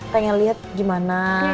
pengen liat gimana